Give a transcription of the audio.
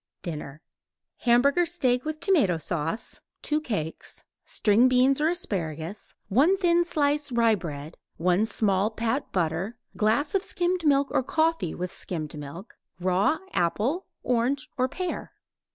DINNER Hamburger steak with tomato sauce (2 cakes); string beans or asparagus; 1 thin slice rye bread; 1 small pat butter; glass of skimmed milk or coffee with skimmed milk; raw apple, orange or pear.